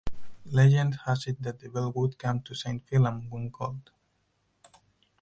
Legend has it that the bell would come to Saint Fillan when called.